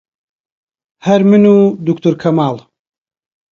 هەر من و دکتۆر کەمال